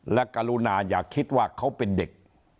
และกรุณาอย่าคิดว่าเขาเป็นเด็ก